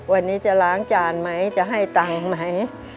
วันนี้จะล้างจานไหมจะให้ตังค์ไหม